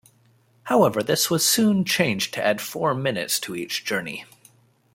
However, this was soon changed to add four minutes to each journey.